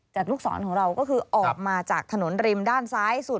ลูกศรของเราก็คือออกมาจากถนนริมด้านซ้ายสุด